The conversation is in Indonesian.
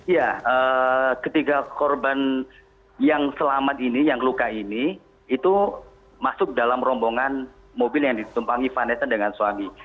ya ketiga korban yang selamat ini yang luka ini itu masuk dalam rombongan mobil yang ditumpangi vaneson dengan suami